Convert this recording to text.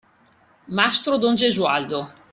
Mastro don Gesualdo.